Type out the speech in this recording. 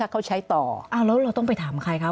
เขาใช้ต่อแล้วเราต้องไปถามใครคะ